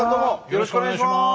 よろしくお願いします。